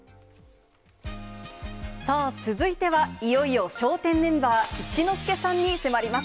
さあ、続いては、いよいよ笑点メンバー、一之輔さんに迫ります。